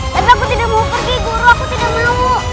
tapi aku tidak mau pergi guru aku tidak mau